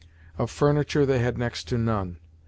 Of furniture they had next to none.